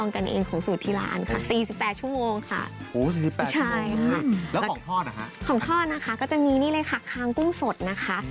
ของทอดนะคะก็จะมีนี่เลยค่ะคางกุ้งสดนะคะ